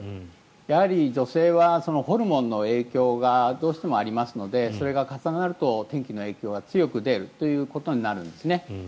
やはり、女性はホルモンの影響がどうしてもありますので、それが重なると天気の影響は強く出るということになるんですね。